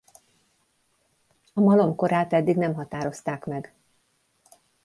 A malom korát eddig nem határozták meg.